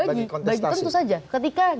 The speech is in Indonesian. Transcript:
bagi tentu saja